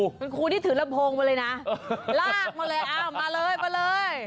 คุณครูที่ถือระโพงมาเลยนะลากมาเลยมาเลย